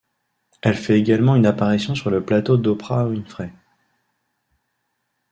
Elle fait également une apparition sur le plateau d'Oprah Winfrey.